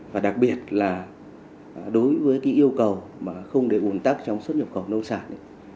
và đặc biệt là đối với cái yêu cầu mà không để ủn tắc trong xuất nhập khẩu nông sản